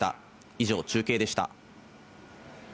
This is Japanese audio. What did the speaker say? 以上、中継でした。